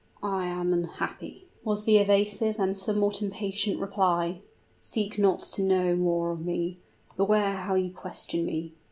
"I am unhappy," was the evasive and somewhat impatient reply. "Seek not to know more of me beware how you question me.